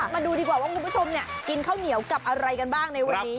มาดูดีกว่าว่าคุณผู้ชมกินข้าวเหนียวกับอะไรกันบ้างในวันนี้